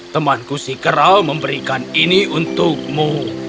temanku si keral memberikan ini untukmu